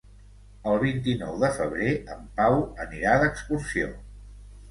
El vint-i-nou de febrer en Pau anirà d'excursió.